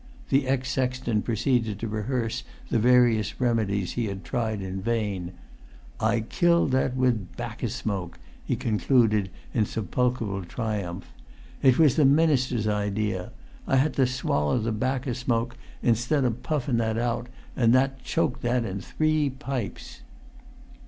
The ex sexton proceeded to rehearse the various remedies he had tried in vain. "I killed that with bacca smoke," he concluded in sepulchral triumph. "It was the minister's idea. I had to swaller the bacca smoke instead o' puffun that out, an' that choked that in three pipes!"